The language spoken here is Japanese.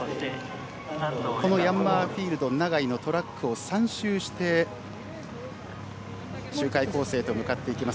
このヤンマーフィールド長居のトラックを３周して周回コースへと向かっていきます。